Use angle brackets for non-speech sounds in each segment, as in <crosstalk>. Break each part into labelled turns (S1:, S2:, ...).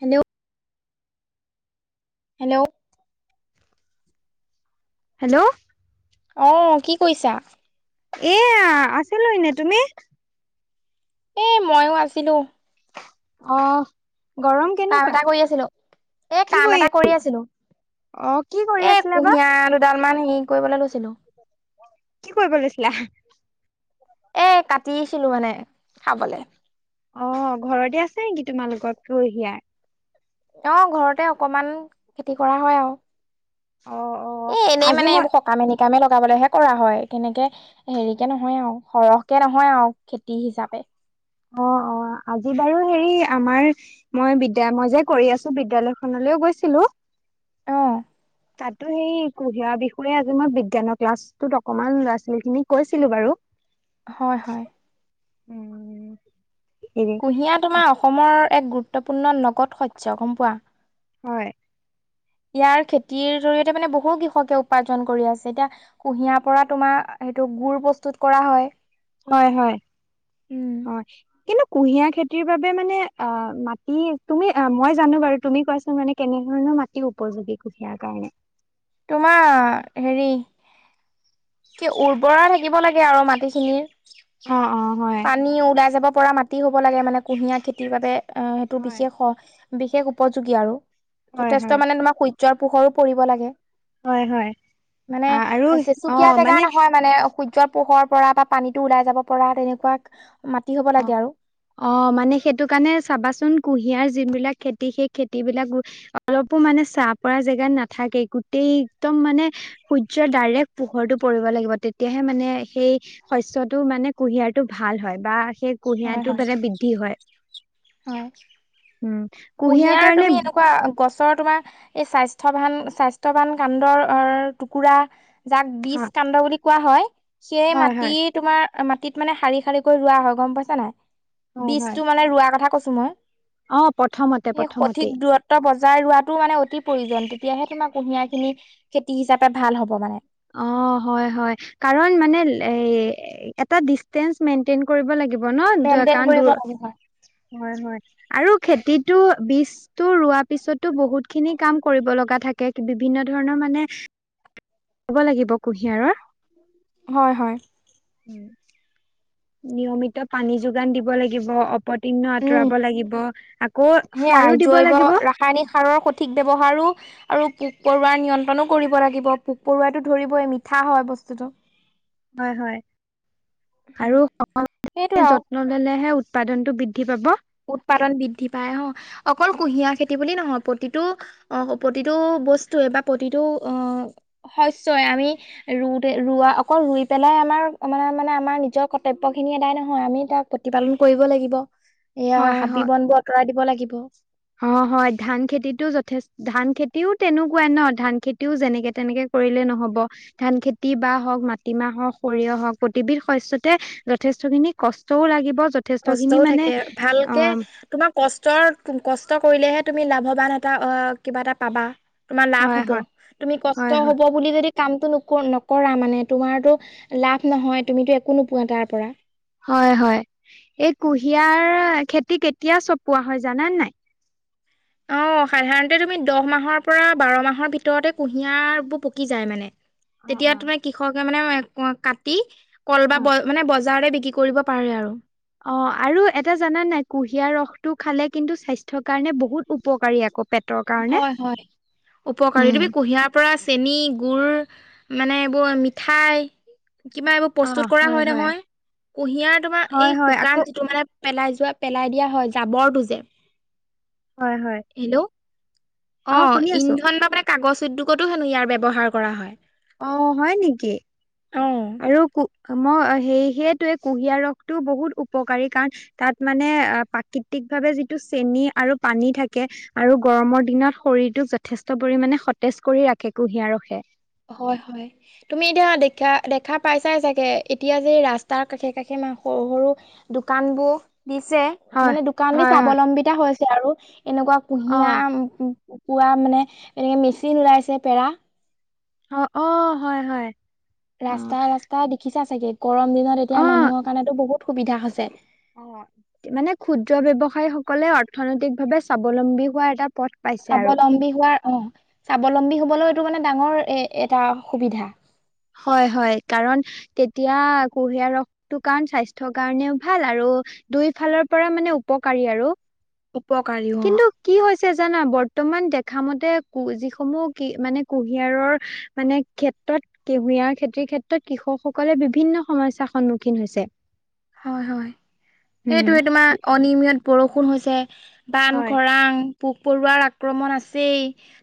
S1: Hello, hello,
S2: hello,
S1: অহ', কি কৰিছা?
S2: এয়া আছিলোঁ এনে, তুমি?
S1: এ মইও আছিলোঁ ',
S2: অহ',
S1: কাম এটা কৰি আছিলো, এ কাম এটা কৰি আছিলো।
S2: অ কি ক
S1: এ কুঁহিয়াৰ দুডাল মান হেৰি কৰিবলৈ লৈছিলো।
S2: কি কৰিব লৈছিলা?
S1: এ কাটিছিলো মানে, খাবলে।
S2: অ ঘৰতে আছে নেকি তোমালোকৰ, কুহিয়াৰ?
S1: অ ঘৰতে অকমান খেতি কৰা হয় আৰু।
S2: অ', অ',
S1: এ এনেই
S2: আজি
S1: মানে
S2: মই
S1: কামে নিকামে লগাবলৈহে কৰা হয়, তেনেকে হেৰি কে নহয় আৰু, সৰহকে নহয় আৰ, খেতি হিচাপে।
S2: অ-অ, আজি বাৰু হেৰি আমাৰ মই বিদ্যা মই যে কৰি আছো, বিদ্যালয়খনলৈও গৈছিলো।
S1: অ'।
S2: তাতো সেই কুহিয়াৰ বিষয়ে আজি মই বিজ্ঞানৰ ক্লাছটোত অকমান ল'ৰা ছোৱালীখিনিক কৈছিলো বাৰু।
S1: হয় হয়।
S2: উম <unintelligible>
S1: কুঁহিয়া তোমাৰ অসমৰ এক গুৰুত্বপূৰ্ণ নগদ শস্য, গম পোৱা!
S2: হয়।
S1: ইয়াৰ খেতিৰ জৰিয়তে মানে বহু কৃষকে উপাৰ্জন কৰি আছে, এতিয়া কুঁহিয়াৰ পৰা তোমাৰ সেইটো গুড় প্ৰস্তুত কৰা হয়।
S2: হয়-হয়,
S1: উম
S2: হয়, কিন্তু কুঁহিয়া খেতিৰ বাবে মানে, অ মাটি, তুমি অ মই জানো বাৰু, তুমি কোৱাচোন মানে কেনেধৰণৰ মাটি উপযোগী, কুহিয়াৰ কাৰণে?
S1: তোমাৰ, হেৰি কি উৰ্বৰা থাকিব লাগে আৰু মাটিখিনিৰ।
S2: অ অ হয়
S1: পানী ওলাই যাব পৰা মাটি হ'ব লাগে মানে কুঁহিয়াৰ খেতিৰ বাবে। অ সেইটো
S2: হয়
S1: বিশেষ, বিশেষ উপযোগী আৰু,
S2: হয়
S1: যথেষ্ট মানে তোমাক সু য্যৰ পোহৰোও পৰিব লাগে।
S2: হয়-হয়।
S1: মানে চেচুকীয়া জেগা নহয়, মানে সূৰ্যৰ পোহৰ পৰা বা পানীতো ওলাই যাব পৰা তেনেকুৱা, মাটি হ'ব
S2: অ
S1: লাগে আৰু।
S2: অ মানে সেইটো কাৰণে চাবাচোন কুঁহিয়াৰ যিবিলাক খেতি, সেই খেতি বিলাক অলপো মানে চাহ পৰা জেগাত নাথাকে, গোটেই একদম মানে সূৰ্যৰ ডাইৰেক্ট পোহৰটো পৰিব লাগিব, তেতিয়াহে মানে সেই শস্যটো মানে কুঁহিয়াৰটো ভাল হয় বা সেই
S1: হয়
S2: কুঁহিয়াৰটো
S1: হয়
S2: মানে বৃদ্ধি হয়।
S1: হয়,
S2: উম
S1: কুঁহিয়াৰ
S2: কাৰণে
S1: তুমি এনেকুৱা গছৰ তোমাৰ এই স্বাস্থ্যয়বান, স্বাস্থ্যয়ৱান কাণ্ডৰ টুকুৰা যাক
S2: হা
S1: বিজ কাণ্ড বুলি কোৱা হয়, সেই
S2: হয় হয়
S1: মাটিত তোমাৰ মাটিত মানে শাৰী-শাৰী কৰি ৰোৱা হয়, গম পাইছা নাই,
S2: হয় হয়।
S1: বীজতটো মানে ৰোৱা কথা কৈছো মই।
S2: অ প্ৰথমতে
S1: সেই
S2: প্ৰথমতে
S1: সঠিক দূৰত <unintelligible> বজাৰ ৰোৱাতটো মানে অতি প্ৰয়োজন, তেতিয়াহে তোমাৰ কুঁহিয়াৰ খিনি খেতি হিচাপে ভাল হ'ব মানে।
S2: অ' হয়-হয়, কাৰণ মানে এ এটা ডিচেঞ্চ মেইনটেইন কৰিব লাগিব ন য
S1: মেইনটেইন
S2: কাৰণ
S1: কৰিব
S2: দোৰৰ
S1: লাগিব
S2: হয়-হয় আৰু খেতিতটো বিজ ৰোৱা পিছতো বহুত খিনি কাম কৰিব লগা থাকে, বিভিন্ন ধৰণৰ মানে <unintelligible> কব লাগিব কুঁহিয়াৰৰ,
S1: হয় হয়
S2: উ। নিয়মিত পানী যোগান দিব লাগিব অপ তিহণ
S1: উম
S2: আঁতৰাব লাগিব, আকৌ সাৰু দিব লাগিব।
S1: পানী সাৰৰ সঠিক ব্যৱহাৰো আৰু পোক পৰুৱা নিয়ন্ত্ৰণো কৰিব লাগিব, পোক পৰুৱটো ধৰিবই, মিঠা হয় বস্তুটো।
S2: হয়-হয় আৰু
S1: সেইটোৱে আৰু
S2: <unintelligible> নল'লেহে উৎপাদনতটো বৃদ্ধি পাব।
S1: উৎপাদন বৃদ্ধি পায় অ'। অকল কুঁহিয়াৰ খেতি বুলি নহয়, প্ৰতিটো অ', প্ৰতিটো বস্তুৱে বা প্ৰতিটো অ, শস্যই আমি ৰু তে অকল ৰোৱা অকল ৰুই পেলাই আমাৰ মানে-মানে আমাৰ নিজৰ কৰ্তব্য খিনি এদাই নহয় আমি তাক প্ৰতিপালন কৰিব লাগিব, এয়া
S2: হয়
S1: হাবি
S2: হয়
S1: বন বোৰ আঁতৰাই দিব লাগিব।
S2: অ', হয়। ধান খেতিতটো যথে ধান খেতিও তেনেকুৱাই ন? ধান খেতিও যেনেকে তেনেকে কৰিলে নহ'ব। ধান খেতি বাাহ হওঁক মাটিমাহ হওঁক সৰিয়হ হওঁক প্ৰতিবিধ শস্যতে যথেষ্ট খিনি কষ্টও লাগিব য
S1: কষ্টও থাকে, ভালকে তোমাক কষ্টৰ, কষ্ট কৰিলেহে তুমি লাভৱান এটা কিবা এটা পাবা। তোমাৰ লাভ
S2: হয়,
S1: হব,
S2: হয়,
S1: তুমি
S2: হয়,
S1: কষ্ট
S2: হয়।
S1: হব বুলি যদি কামটো নকৰা মানে তোমাৰতো লাভ নহয়, তুমিতো একো নোপোৱা তাৰ পৰা।
S2: হয়, হয়, এই কুঁহিয়াৰ খেতি কেতিয়া চপোৱা হয় জানানে নাই?
S1: অ', সাধাৰণতে তুমি দহ মাহৰ পৰা বাৰ মাহৰ ভিতৰতে কুঁহিয়াৰ বোৰ পকি যায় মানে।
S2: অ',
S1: তেতিয়া
S2: অ'।
S1: তুমে কৃষকে মানে কাটি কল বা
S2: অ',
S1: মানে বজাৰতে বিক্ৰী কৰিব পাৰে আৰু।
S2: অ', আৰু এটা জান নাই কুঁহিয়াৰ ৰসটো খালে কিন্তু স্বাস্থ্যৰ কাৰণে বহুত উপকাৰী আক।
S1: হয়, হয়, উপকাৰী।
S2: উম,
S1: তুমি কুঁহিয়াৰ তাৰ পৰা চেনী গুৰ, মানে এইবোৰ মিঠাই কিবা এইবোৰ প্ৰস্তুত কৰা হয় নহয়। কুঁহিয়াৰ তোমাৰ
S2: হয়,
S1: এই
S2: হয় আকৌ
S1: শুকান যিটো মানে পেলাই যোৱা পেলাই দিয়া হয় জাবৰটো যে
S2: হয়, হয়।
S1: হেল্ল'? অ',
S2: শুনি আছো।
S1: ইন্ধন বা মানে কাগজ উদ্যোগতো হেনো ইয়াৰ ব্যৱহাৰ কৰা হয়।
S2: অ, হয় নেকি?
S1: অ'।
S2: আৰু মই সে সেইটোৱে, কুঁহিয়াৰ ৰসটো বহুত উপকাৰী কাৰণ তাত মানে অ, প্ৰাকৃতিক ভাৱে যিটো চেনি আৰু পানী থাকে আৰু গৰমৰ দিনত শৰীৰটোক যথেষ্ট পৰিমামানে সতেজ কৰি ৰাখে কুঁহিয়াৰ ৰখে।
S1: হয়, হয়। তুমি এতিয়া দেখা-দেখা পাইছাই চাগে, এতিয়া যে ৰাস্তাৰ কাষে-কাষে ম সৰু-সৰু দোকান বোৰ দিছে।
S2: হয়
S1: মানে দোকান দি
S2: হয় হয়
S1: স্বাৱলম্বিতা হৈছে আৰু এনেকুৱা
S2: অ
S1: কুঁহিয়াৰ পোৱা মানে এনেকে মেচিন ওলাইছে পেৰা।
S2: অ', অ', হয়, হয়। অ
S1: ৰাস্তাই-ৰাস্তাই দেখিছা চাগে গৰম দিনত এতিয়া
S2: অ
S1: মানুহৰ কাৰণেতো বহুত সুবিধা হৈছে।
S2: অ', মানে ক্ষুদ্ৰ ব্যৱসায়ী সকলে অৰ্থনৈতিক ভাৱে স্বাৱলম্বী হোৱা এটা পথ পাইছে আৰু
S1: স্বাৱলম্বী হোৱাৰ অ', স্বাৱলম্বী হবলৈও এইটো মানে ডাঙৰ এ এটা সুবিধা।
S2: হয়, হয় কাৰণ তেতিয়া কুহিয়াৰ ৰসটো কাৰণ স্বাস্থ্যৰ কাৰণেও ভাল, আৰু দুই ফালৰ পৰা মানে উপকাৰী আৰু।
S1: উপকাৰী অ'।
S2: কিন্তু কি হৈছে জানা? বৰ্তমান দেখা মতে যিসমূহ কি মানে কুঁহিয়াৰৰ মানে ক্ষেত্ৰত কেহিয়াৰ খেতিৰ ক্ষেত্ৰত কৃষক সকলে বিভিন্ন সমস্যাৰ সন্মুখীন হৈছে।
S1: হয়, হয়
S2: উম
S1: সেইটোয়ে তোমাৰ অনিমিয়ত বৰষুণ হৈছে। বান
S2: হয়
S1: খৰাং পোক পৰুৱাৰ আক্ৰমণ আছেই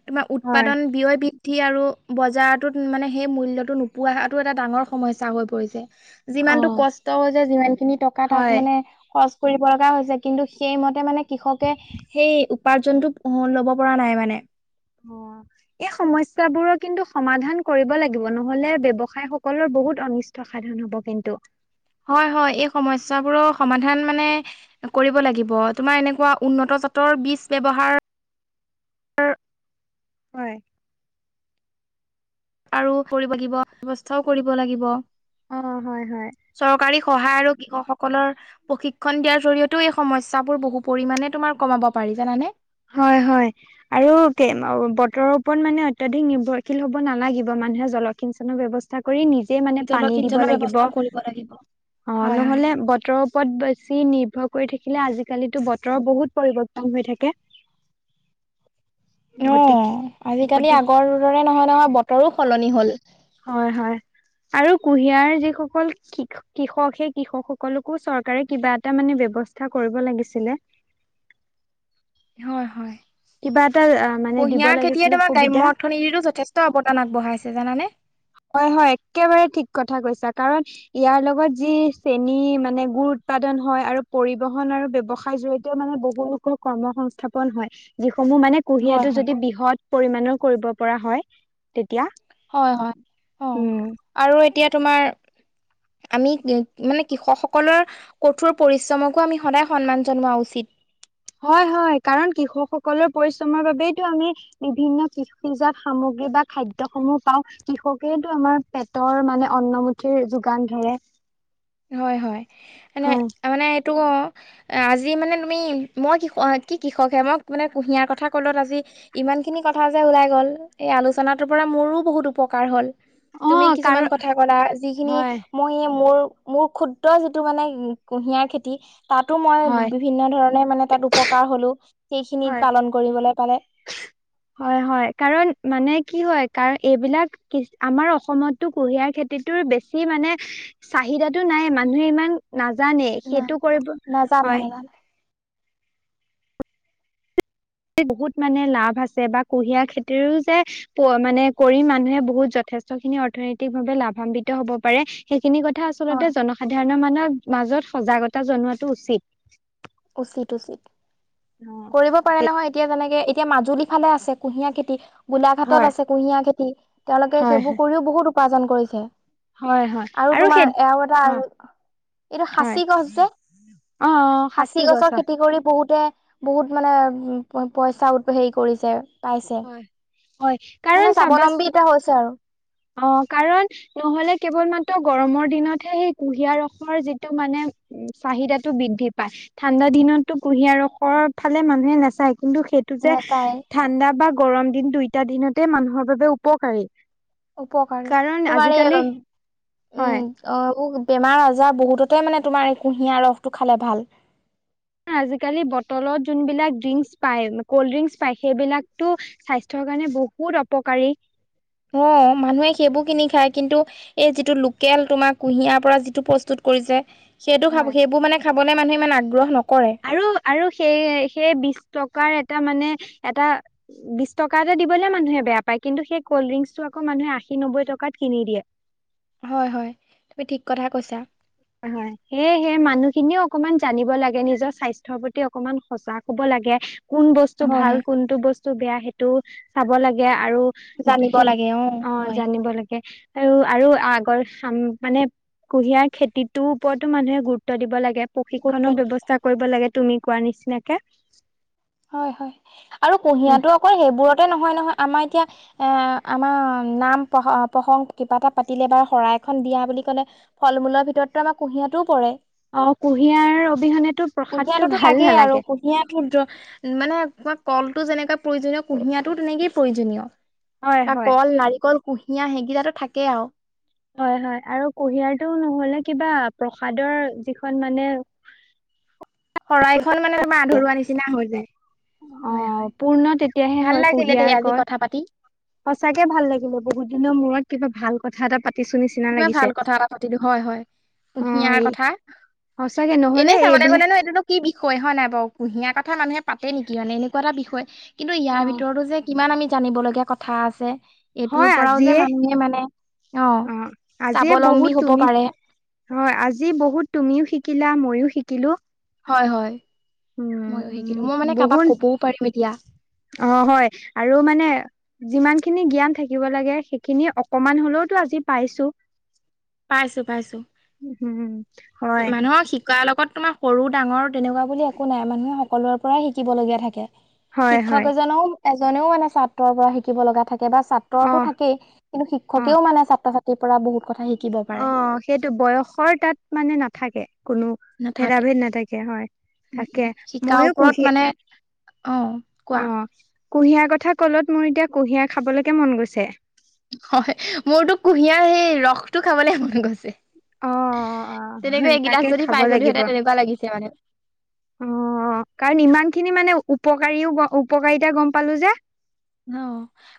S1: তোমাৰ
S2: হয়
S1: উৎপাদন ব্যয় উুঠি আৰু বজাৰটোত মানে সেই মূল্য়তটো নোপোৱাটো এটা ডাঙৰ সমস্যয়া হৈ পৰিছে।
S2: অ
S1: যিমানতটো কষ্ট হৈ যায় যিমান খিনি টকা তাক
S2: হয়
S1: মানে কৰিব লগা হৈছে কিন্তু সেইমতে মানে কৃষকে সেই উপাৰ্জনটো অ', ল'ব পৰা নাই মানে।
S2: অ
S1: <inaudible>
S2: এই সমস্যাবোৰৰ কিন্তু সমাধান কৰিব লাগিব। নহলে ব্যৱসায় সকলৰ বহুত অনিষ্ঠ সাধন হ'ব কিন্তু।
S1: হয়-হয় এই সমস্যাবোৰৰ সমাধান মানে কৰিব লাগিব তোমাৰ এনেকুৱা উন্নত জাতৰ বীজ ব্যৱহাৰ
S2: হয়।
S1: আৰু কৰিব লাগিব, ব্যৱস্থাও কৰিব লাগিব।
S2: অ', হয়-হয়।
S1: চৰকাৰী সহায় আৰু কৃষকসকলৰ প্ৰশিক্ষণ দিয়াৰ জৰিয়তেও এই সমস্যয়াবোৰ বহু পৰিণে তোমাৰ কমাব পাৰি, জানানে?
S2: হয়-হয়। আৰু বতৰৰ ওপৰত মানে অত্যাধিক নিৰ্ভৰশীল হ'ব নালাগিব মানুহে জলসিঞ্চনৰ ব্যৱস্থা কৰি নিজে মানে পানী দিব
S1: জলসিঞ্চনৰ
S2: লাগিব,
S1: ব্যৱস্থাও কৰিব লাগিব
S2: অ',
S1: হয় হয়
S2: নহলে বতৰৰ ওপত বেছি নিৰ্ভৰ কৰি থাকিলে আজিকালিতো বতৰ বহুত পৰিৱৰ্তন হৈ থাকে।
S1: অ',
S2: গতিকে
S1: আজিকালি
S2: গতিকে
S1: আগৰ দৰে নহয়-নহয়, বতৰো সলনি হ'ল।
S2: হয়-হয় আৰু কুঁহিয়াৰ যিসকল কৃষক কৃষক সেই কৃষক সকলকো চৰকাৰে কিবা এটা মানে ব্যৱস্থা কৰিব লাগিছিলে।
S1: হয়-হয়।
S2: কিবা এটা মানে দিব
S1: কুঁহিয়াৰ খেতিয়ে
S2: লাগিছিলে
S1: তোমাৰ
S2: সুবিধা
S1: গ্ৰাম্য অৰ্থনীতিতো যথেষ্ট অৱদান আগবঢ়াইছে জানানে?
S2: হয়-হয় একেবাৰে ঠিক কথা কৈছা কাৰণ ইয়াৰ লগত যি চেনী মানে গুড় উৎপাদন হয় আৰু পৰিবহন আৰু ব্যৱসায় যিহেতু মানে বহু লোকৰ কৰ্ম সংস্থাপন হয়। যিসমূহ মানে
S1: হয়
S2: কুঁহিয়াটো
S1: হয়
S2: যদি বৃহৎ পৰিমমানণৰ কৰিব পৰা হয়, তেতিয়া।
S1: হয়-হয় অ',
S2: উম
S1: আৰু এতিয়া তোমাৰ আমি <unintelligible> মানে কৃষকসকলৰ কঠোৰ পৰিশ্ৰমকো আমি সদায় সন্মান জনোৱা উচিত।
S2: হয়-হয় কাৰণ কৃষকসকলৰ পৰিশ্ৰমৰ বাবেইতটো আমি বিভিন্ন কৃষিজাত সামগ্ৰী বা খাদ্য সমূহ পাওঁ, কৃষকেতো আমাৰ পেটৰ মানে অন্নমুঠিৰ যোগান ধৰে।
S1: হয়-হয় এনে
S2: হয়
S1: মানে এইটো অ' আজি মানে তুমি মই আ কি কৃষক হে মই মানে কুঁহিয়াৰ কথা ক'লত আজি ইমানখিনি কথা যে ওলাই গ'ল, এই আলোচনাটোৰ পৰা মোৰো বহুত উপকাৰ হ'ল।
S2: অ
S1: তুমি
S2: কাৰ
S1: কিছুমান কথা ক'লা যিখিনি
S2: হয়
S1: মই এ মোৰ-মোৰ ক্ষুত্ৰ যিটো মানে কুঁহিয়াৰ খেতি তাটো মই
S2: হয়
S1: বিভিন্ন ধৰণে মানে তাত উপকাৰ হ'লো সেইখিনিত পালন কৰিবলৈ কাৰনে।
S2: হয়-হয় কাৰণ মানে কি হয়, কাৰ এইবিলাক আমাৰ অসমতো কুঁহিয়াৰ খেতিটোৰ বেছি মানে চাহিদাটো নাই মানুহে ইমান নাজানে
S1: নাই
S2: সেইটো কৰিব,
S1: নাজানে
S2: হয়।
S1: নাজানে
S2: বহুত মানে লাভ আছে বা কুঁহিয়াৰ খেতিও যে মানে কৰি মানুহে বহুত যথেষ্ট খিনি অৰ্থনৈতিক ভাৱে লাভান্বিত হ'ব পাৰে। সেইখিনি কথা
S1: হয়
S2: আচলতে জনসাধাৰণৰ মানৰ মাজত সজাগতা জনোৱাতটো উচিত।
S1: উচিত-উচিত। <unintelligible>
S2: অ
S1: পাৰে
S2: ঠিক।
S1: নহয় এতিয়া যেনেকে এতিয়া মাজুলী ফালে আছে কুঁহিয়াৰ খেতি গোলাঘাটত
S2: হয়
S1: আছে কুঁহিয়াৰ খেতি, তেওঁলোকে
S2: হয়
S1: সেইবোৰ
S2: হয়
S1: কৰিও বহুত উপাৰ্জন কৰিছে।
S2: হয় হয়
S1: আৰু
S2: সেই
S1: তোমাৰ আৰু এটা
S2: অ
S1: আৰু, এইটো
S2: হয়
S1: সাচি গছ যে?
S2: অ'।
S1: খাচি
S2: সাঁচি গছ
S1: গছৰ
S2: হয়
S1: খেতি কৰি বহুতে বহুত মানে পইচা আ হেৰি কৰিছে। পাইছে।
S2: হয় হয় কাৰণ
S1: মানে
S2: চাবাচোন
S1: স্বাৱলম্বী এটা হৈছে আৰু।
S2: অ', কাৰণ নহ'লে কেৱল মাত্ৰ গৰমৰ দিনতহে সেই কুঁহিয়াৰ ৰসৰ যিটো মানে চাহিদাটো বৃদ্ধি পায়। ঠাণ্ডা দিনতো কুঁহিয়াৰ ৰসৰ ফালে মানুহে নাচায় কিন্তু সেই টো যে
S1: নেচাই
S2: ঠাণ্ডা বা গৰম দিন দুইটা দিনতে মানুহৰ বাবে উপকাৰী।
S1: উপকাৰী
S2: কাৰণ
S1: তোমাৰ
S2: আজিকালি
S1: এ‌,
S2: হয়
S1: উম। অ, বেমাৰ-আজাৰ বহুততে মানে তোমাৰ এই কুঁহিয়াৰ ৰসটো খালে ভাল।
S2: আজিকালি বটলত যোন বিলাক ড্ৰিংকচ পায়। ক'ল্ড ড্ৰিংকচ পায় সেইবিলাকতো স্বাস্থ্যৰ কাৰণে বহুত অপকাৰী।
S1: সেয়াই মানুহে সেইবোৰ কিনি খায় কিন্তু এই যিটো লোকেল তোমাৰ কুঁহিয়াৰ পৰা যিটো প্ৰস্তুত কৰিছে। সেইটো
S2: হয়
S1: খাব সেইবোৰ মানে খাবলৈ মানুহ ইমান আগ্ৰহ নকৰে।
S2: আৰু, আৰু সেই সেই বিশ টকাৰ এটা মানে এটা। বিশ টকা এটা দিবলে মানুহে বেয়া পায় কিন্তু সেই কল্ড ড্ৰিংকচটো আকৌ মানুহে আশী নব্বৈ টকাত কিনি দিয়ে।
S1: হয়, হয় তুমি ঠিক কথাই কৈছা।
S2: হয়, সেয়েহে মানুহখিনিয়েও অকনমান জানিব লাগে। নিজৰ স্বাস্থ্যৰ প্ৰতি অকমান সজাগ হ'ব লাগে। কোন বস্তু
S1: হয়
S2: ভাল
S1: হয়
S2: কোনটো বস্তু বেয়া সেইটো চাব লাগে আৰু।
S1: জানিব
S2: সে
S1: লাগে
S2: অ'
S1: হয়।
S2: জানিব লাগে। আৰু আৰু আগচাম মানে কুঁহিয়াৰ খেতিত। তোৰ ওপৰতো মানুহে গুৰুত্ব দিব লাগে। ঞ
S1: গুৰুত্ব
S2: প্ৰশিক্ষনৰৰ
S1: দি
S2: ব্যৱস্থা কৰিব লাগে তুমি কোৱা নিচিনাকে।
S1: হয়, হয় আৰু কুঁহিয়াতো অকল সেইবোৰতে নহয় নহয় আমাৰ এতিয়া। এ আমাৰ নাম প্ৰ প্ৰসংগ কিবা এটা পাতিলে বা শৰাই এখন দিয়া বুলি ক'লে। ফল-মূলৰ ভিতৰতো আমাৰ কুঁহিয়াৰটোও পৰে।
S2: অ, কুঁহিয়াৰ অবিহনেটো প্ৰসাদটো ভাল নালাগে।
S1: কুঁহিয়াটো মানে কলটো যেনেকুৱা প্ৰয়োজনীয় কুঁহিয়াৰটো তেনেকেই প্ৰয়োজনীয়।
S2: হয়
S1: বা
S2: হয়।
S1: কল নাৰিকল কুঁহিয়া সেইকেইটা থাকেই আউ।
S2: হয়, হয় আৰু কুঁহিয়াৰটো নহ'লে কিবা প্ৰসাদৰ যিখন মানে।
S1: শৰাই খন মানে তোমাৰ আধৰুৱা নিচিনা হৈ যায়
S2: অ
S1: হয়, হয়।
S2: পূৰ্ণ তেতিয়াহে হয়
S1: ভাল লাগিলে
S2: কুঁহিয়াৰ
S1: দেই আজি
S2: কয়।
S1: কথা পাতি।
S2: সঁচাকে ভাল লাগিলে বহুত দিনৰ মূৰত কিবা ভাল কথা এটা পা।
S1: কিবা ভাল কথা এটা পাতিলো হয়, হয়।
S2: অ
S1: কুঁহিয়াৰ
S2: এই
S1: কথা,
S2: সঁচাকে নহ'লে
S1: এনেই চাবলৈ গ'লে
S2: এইবিলাক
S1: এইটোতোনো কি বিষয় হয় নাই বাৰু, কুঁহিয়াৰ কথা মানুহে পাতে নেকি মানে এনেকুৱা এটা বিষয় কিন্তু
S2: অ
S1: ইয়াৰ ভিতৰতো যে কিমান আমি জানিবলগীয়া কথা আছে। এইটোৰ
S2: হয়
S1: পৰাও যে
S2: আজিয়ে
S1: মানুহে মানে অ'
S2: আজিয়ে
S1: স্বাৱলম্বী
S2: বহুত
S1: হব
S2: তুমি
S1: পাৰে
S2: হয় আজি বহুত তুমিও শিকিলা, মইও শিকিলো।
S1: হয়, হয় ময়ো
S2: উম
S1: শিকিলো। মই মানে কাবাক
S2: বহুত
S1: কবও পাৰিম এতিয়া।
S2: অ' হয়, আৰু মানে যিমান খিনি জ্ঞান থাকিব লাগে, সেইখিনি অকমান হলেওতো আজি পাইছো।
S1: পাইছো পাইছো।
S2: হুম।
S1: মানুহক শিক শিকাৰ লগত তোমাৰ সৰু, ডাঙৰ তেনেকুৱা বুলি একো নাই, মানুহে সকলোৰে পৰাই শিকিব লগীয়া থাকে।
S2: হয়
S1: শিক্ষক
S2: হয়
S1: এজনে এজনেও মানে ছাত্ৰৰ পৰা শিকিব লগা থাকে বা ছা
S2: অ
S1: ৰতো থাকেই কিন্তু
S2: অ
S1: শিক্ষকেও মানে ছাত্ৰ-ছাত্ৰীৰ পৰা বহুত কথা শিকিব
S2: অ
S1: পাৰে।
S2: সেইটো বয়সৰ তাত মানে নাথাকে কোনো। ভেদা
S1: নাথাকে।
S2: ভেদ নাথাকে হয়,
S1: উম
S2: তাকে
S1: শিকাৰ
S2: ময়ো
S1: ওপৰত
S2: কুহি
S1: মানে অ কোৱা।
S2: অ কুঁহিয়াৰ কথা কলত মোৰ এতিয়া কুঁহিয়াৰ খাবলৈকে মন গৈছে।
S1: হয়, মোৰতো কুঁহিয়াৰ সেই ৰসটো খাবলে মন গৈছে।
S2: অ অ
S1: তেনেকৈ এগিলাচ
S2: তাকে
S1: যদি
S2: খাব
S1: পাই গ'লো
S2: লাগিব
S1: হেঁতেন তেনেকুৱা লাগিছে মানে।
S2: অ, কাৰণ ইমান খিনি মানে উপকাৰীও উপকাৰিতা গম পালো যে।
S1: ন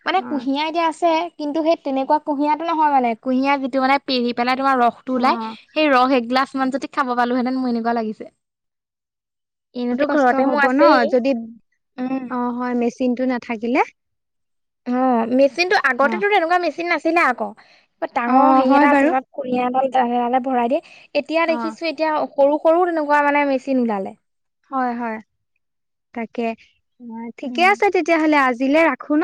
S1: মানে
S2: অ
S1: কুঁহিয়াৰ এতিয়া আছে, কিন্তু সেই তেনেকুৱা কুঁহিয়াৰটো নহয় মানে কুঁহিয়াৰ যিটো মানে পেৰি পেলাই তোমাৰ ৰসটো
S2: অ
S1: ওলাই, সেই ৰস এগিলাছ মান যদি খাব পালোহেঁতেন মোৰ এনেকুৱা লাগিছে। এনেতো
S2: কষ্ট
S1: ঘৰতে মোৰ
S2: হব ন
S1: আছেই,
S2: যদি
S1: উম।
S2: অ হয় মেচিন টো নাথাকিলে,
S1: অ', মেচিনতটো আগতেটো তেনেকুৱা মেচিন নাছিলে আকৌ।
S2: অ
S1: ডাঙৰ হেৰি
S2: হয়
S1: এটা
S2: বাৰু
S1: আছিলে তাত কুহিয়াৰ এডাল সেয়াহে ভৰাই দিয়ে, এতিয়া
S2: অ
S1: দেখিছোঁ এতিয়া সৰু-সৰু তেনেকুৱা মানে মেচিন ওলালে।
S2: হয়, হয়, তাকে। অ', ঠিকে
S1: উম
S2: আছে তেতিয়াহলে আজিলে ৰাখোঁ ন।